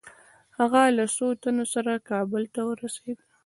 هغه له څو تنو سره کابل ته ورسېد.